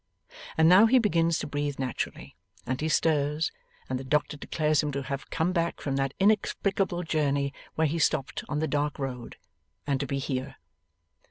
And now he begins to breathe naturally, and he stirs, and the doctor declares him to have come back from that inexplicable journey where he stopped on the dark road, and to be here.